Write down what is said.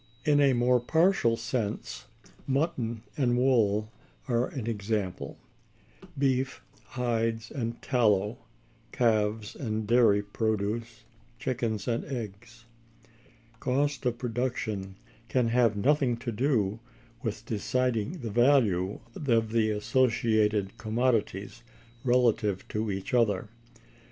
In a more partial sense, mutton and wool are an example; beef, hides, and tallow; calves and dairy produce; chickens and eggs. Cost of production can have nothing to do with deciding the value of the associated commodities relatively to each other.